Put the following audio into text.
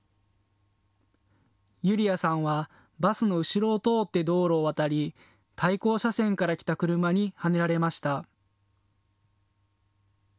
ゆり愛さんはバスの後ろを通って道路を渡り対向車線から来た車にはねられました。